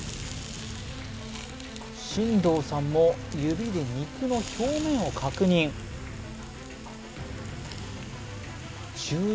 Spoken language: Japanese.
進藤さんも指で肉の表面を確認注意